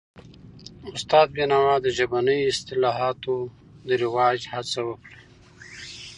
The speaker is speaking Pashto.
استاد بینوا د ژبنیو اصطلاحاتو د رواج هڅه وکړه.